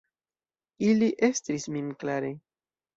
Ili estris min klare.